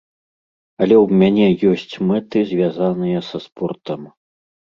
Але ў мяне ёсць мэты, звязаныя са спортам.